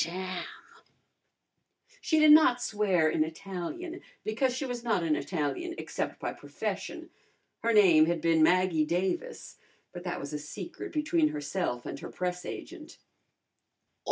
Damn!" She did not swear in Italian, because she was not an Italian except by profession. Her name had been Maggie Davis, but that was a secret between herself and her press agent.